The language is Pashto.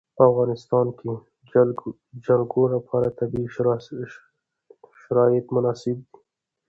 په افغانستان کې د جلګه لپاره طبیعي شرایط مناسب دي.